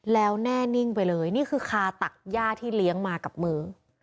แล้วแน่นิ่งไปเลยนี่คือคาตักย่าที่เลี้ยงมากับมือ